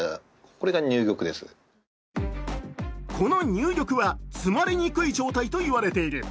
この入玉は詰まりにくい状態といわれている。